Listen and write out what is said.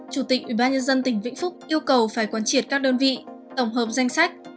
chủ tịch ubnd tỉnh vĩnh phúc yêu cầu phải quan triệt các đơn vị tổng hợp danh sách